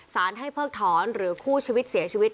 สารให้เพิกถอนหรือคู่ชีวิตเสียชีวิต